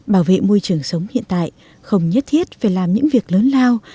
bảo vệ môi trường sống hiện tại không nhất thiết phải làm những việc lớn lao